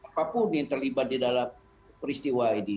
dan juga tidak ada masalah terlibat di dalam peristiwa ini